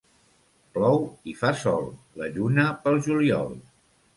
Plou i fa sol, la lluna pel juliol.